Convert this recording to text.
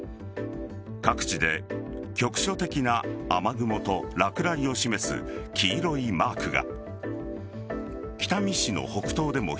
各地で局所的な雨雲と落雷を示す黄色いマークが。